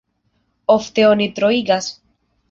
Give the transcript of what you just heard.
Ofte oni troigas.